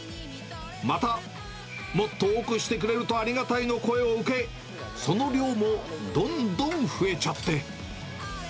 またもっと多くしてくれるとありがたいとの声も受け、その量もどんどん増えちゃって。